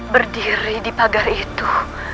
berdiri di pagar itu